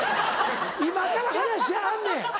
今から話しはんねん！